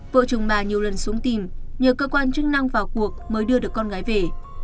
vợ chồng bà nhiều lần xuống tìm nhờ cơ quan chức năng vào cuộc mới đưa được con gái về